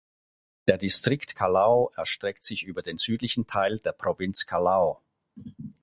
Der Distrikt Callao erstreckt sich über den südlichen Teil der Provinz Callao.